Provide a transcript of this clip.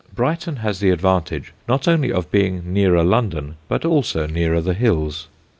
Brighton has the advantage not only of being nearer London but also nearer the hills.